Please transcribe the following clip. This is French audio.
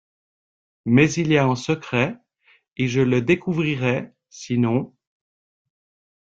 Mais il y a un secret, et je le découvrirai, sinon...